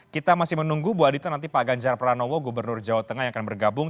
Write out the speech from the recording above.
kita masih menunggu bu adita nanti pak ganjar pranowo gubernur jawa tengah yang akan bergabung